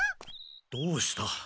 どうした？